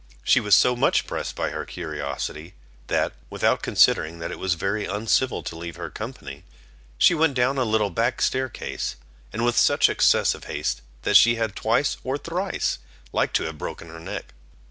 She was so much pressed by her curiosity, that, without considering that it was very uncivil to leave her company, she went down a little back stair case, and with such excessive haste, that she had twice or thrice like to have broken her neck.